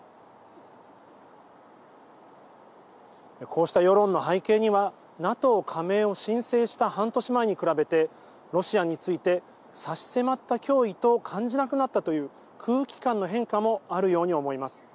こうした世論の背景にはＮＡＴＯ加盟を申請した半年前に比べて、ロシアについて差し迫った脅威と感じなくなったという空気感の変化もあるように思います。